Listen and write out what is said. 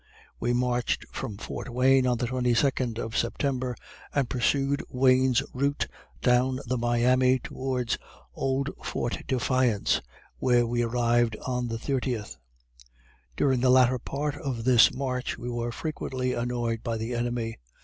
We marched from Fort Wayne on the 22d of September, and pursued Wayne's route down the Miami towards old Fort Defiance, where we arrived on the 30th. During the latter part of this march we were frequently annoyed by the enemy.